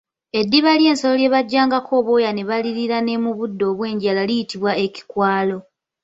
Eddiba ly'ensolo lye bajjangako obwoya ne balirya ne mu budde obw'enjala liyitibwa Ekikwalo.